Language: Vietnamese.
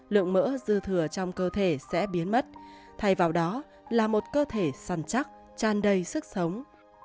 lượng mỡ dư thừa trong cơ thể sẽ biến mất thay vào đó là một cơ thể săn chắc tràn đầy sức sống